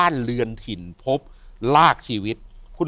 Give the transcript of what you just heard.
อยู่ที่แม่ศรีวิรัยิลครับ